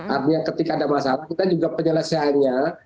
artinya ketika ada masalah kita juga penyelesaiannya